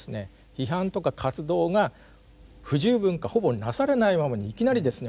批判とか活動が不十分かほぼなされないままにいきなりですね